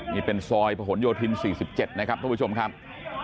นี่เป็นซอยผนโยธิน๔๗นะครับท่านผู้ชมครับ